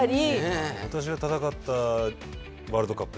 私が戦ったワールドカップ